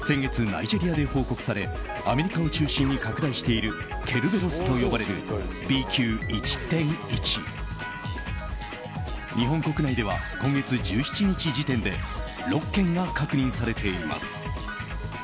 ナイジェリアで報告されアメリカを中心に拡大しているケルベロスと呼ばれるＢＱ．１．１。日本国内では、今月１７日時点で６件が確認されています。